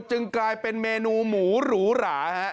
จึงกลายเป็นเมนูหมูหรูหรา